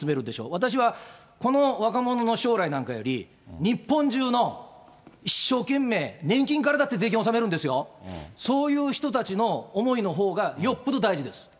私は、この若者の将来なんかより、日本中の一生懸命、年金からだって税金納めるんですよ、そういう人たちの思いのほうがよっぽど大事です。